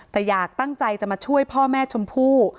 แต่อยากตั้งใจจะมาช่วยพ่อแม่ชมพู่